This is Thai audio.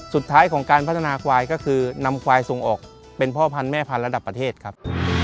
สุดท้ายของการพัฒนาควายก็คือนำควายส่งออกเป็นพ่อพันธุแม่พันธุ์ระดับประเทศครับ